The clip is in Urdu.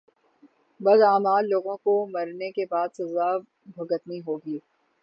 بداعمال لوگوں کو مرنے کے بعد سزا بھگتنی ہوگی